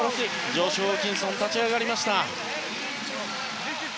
ジョシュ・ホーキンソン立ち上がりました。